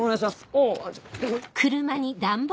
おう。